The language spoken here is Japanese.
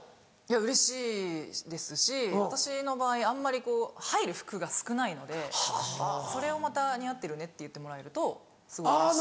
うれしいですし私の場合あんまりこう入る服が少ないのでそれをまた「似合ってるね」って言ってもらえるとすごいうれしい。